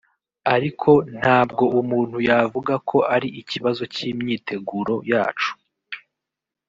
Ariko ntabwo umuntu yavuga ko ari ikibazo cy’imyiteguro yacu